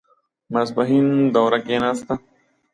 ماسپښين دوړه کېناسته.